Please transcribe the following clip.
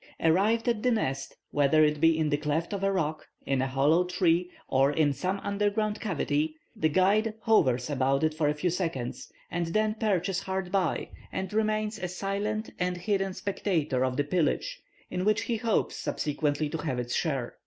Arrived at the nest, whether it be in the cleft of a rock, in a hollow tree, or in some underground cavity, the guide hovers about it for a few seconds, and then perches hard by, and remains a silent and hidden spectator of the pillage, in which he hopes subsequently to have his share.